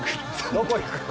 どこ行くの？